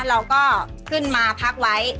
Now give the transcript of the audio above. เราก็ขึ้นมาพักไว้